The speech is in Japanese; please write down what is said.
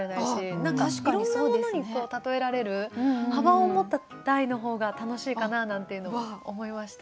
何かいろんなものに例えられる幅を持った題の方が楽しいかななんていうのを思いました。